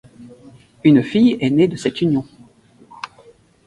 Une fille est née de cette union.